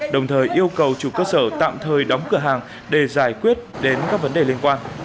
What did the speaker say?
đồng thời yêu cầu chủ cơ sở tạm thời đóng cửa hàng để giải quyết đến các vấn đề liên quan